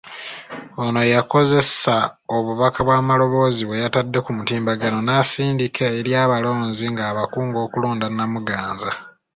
Ono yakozesa obubaka bw’amaloboozi bwe yatadde ku mutimbagano n'asindika eri abalonzi nga abakunga okulonda Namuganza.